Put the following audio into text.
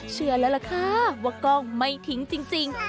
เชื่อแล้วล่ะค่ะว่ากล้องไม่ทิ้งจริง